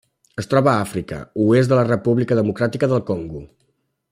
Es troba a Àfrica: oest de la República Democràtica del Congo.